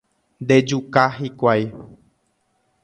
Ndejuka hikuái